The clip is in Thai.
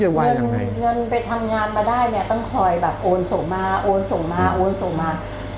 มันไปทำงานมาได้เนี่ยตั้งคอยโอนส่งมาโอนส่งมาทั้งคลุม